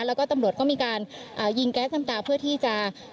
แล้วก็ตำรวจก็มีการยิงแก๊สน้ำตาเพื่อที่จะ